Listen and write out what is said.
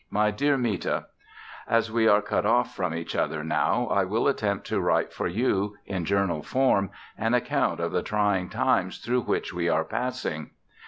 My dear Meta: As we are cut off from each other now, I will attempt to write for you, in journal form, an account of the trying times through which we are passing.